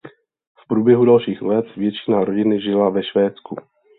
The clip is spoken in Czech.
V průběhu dalších let většina rodiny žila ve Švédsku.